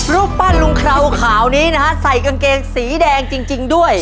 รูปปั้นลุงเคราวขาวนี้นะฮะใส่กางเกงสีแดงจริงด้วย